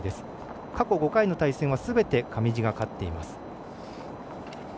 過去５回はすべて上地が勝っています。